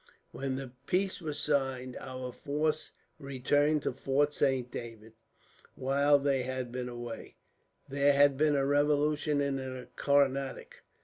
"When the peace was signed, our force returned to Fort Saint David. While they had been away, there had been a revolution in the Carnatic.